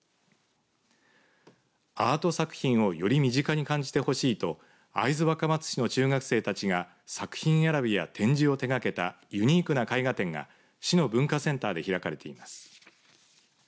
アート作品をより身近に感じてほしいと会津若松市の中学生たちが作品選びや展示を手がけたユニークな絵画展が市の文化センターで開かれています。